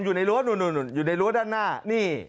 อยู่ในรั้วด้านหน้านี่